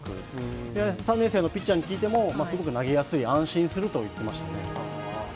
３年生のピッチャーに聞いても投げやすい、安心すると言っていました。